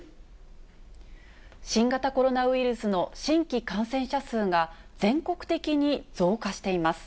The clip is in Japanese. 新型コロナウイルスの新規感染者数が、全国的に増加しています。